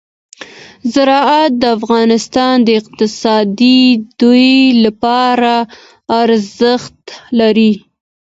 زراعت د افغانستان د اقتصادي ودې لپاره ارزښت لري.